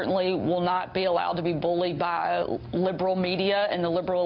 dan pasti tidak akan diperbolehkan oleh media liberal